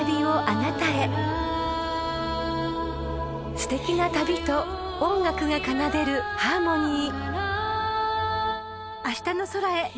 ［すてきな旅と音楽が奏でるハーモニー］